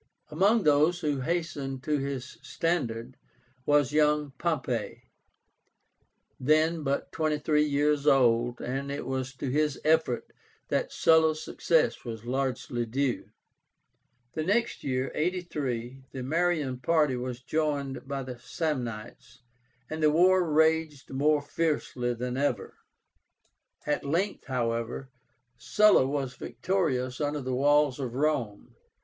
Among those who hastened to his standard was young POMPEY, then but twenty three years old, and it was to his efforts that Sulla's success was largely due. The next year, 83, the Marian party was joined by the Samnites, and the war raged more fiercely than ever. At length, however, Sulla was victorious under the walls of Rome.